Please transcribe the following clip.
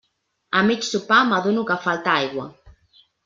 A mig sopar m'adono que falta aigua.